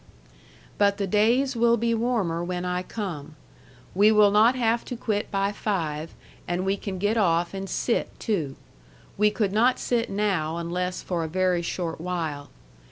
But the days will be warmer when I come. We will not have to quit by five, and we can get off and sit too. We could not sit now unless for a very short while.